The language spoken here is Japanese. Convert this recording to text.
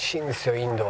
インドは。